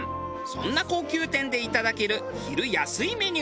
そんな高級店でいただける昼安いメニューとは？